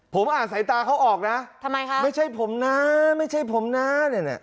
ผมอ่านสายตาเขาออกนะทำไมคะไม่ใช่ผมนะไม่ใช่ผมนะเนี่ย